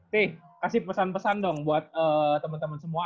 tih kasih pesan pesan dong buat temen temen semua